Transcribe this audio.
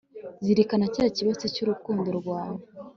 zirikana cya kibatsi cy'urukundo rwawe